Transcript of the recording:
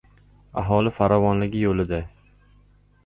Aholi farovonligi yo‘lida